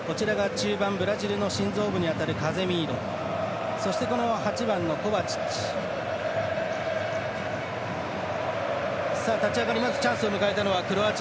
中盤、心臓部に当たるカゼミーロそして、８番のコバチッチ。